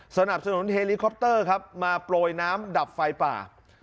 สนับสนุนเฮลิคอปเตอร์มาปล่อยน้ำดับไฟป่า